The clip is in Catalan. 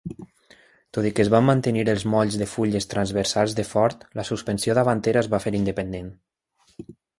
Tot i que es van mantenir els molls de fulles transversals de Ford, la suspensió davantera es va fer independent.